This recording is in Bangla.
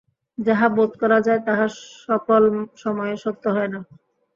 যাহা বােধ করা যায় তাহা সকল সময়ে সত্য হয় না!